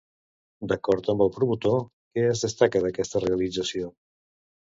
D'acord amb el promotor, què es destaca d'aquesta realització?